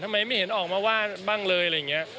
ไม่เห็นออกมาว่าบ้างเลยอะไรอย่างนี้